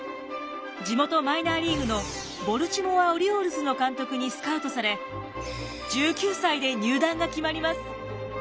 地元マイナーリーグのボルチモア・オリオールズの監督にスカウトされ１９歳で入団が決まります。